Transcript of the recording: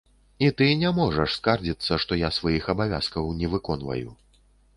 І ты не можаш скардзіцца, што я сваіх абавязкаў не выконваю.